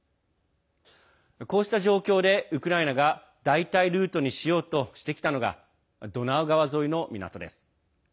こうした状況でウクライナが代替ルートにしようとしてきたのがドナウ川沿いの港です。